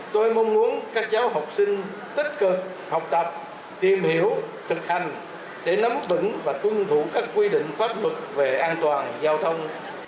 tôi mong muốn các cháu học sinh tích cực học tập tìm hiểu thực hành để nắm vững và tuân thủ các quy định pháp luật về an toàn giao thông